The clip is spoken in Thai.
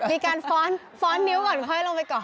มีการฟ้อนนิ้วก่อนค่อยลงไปก่อน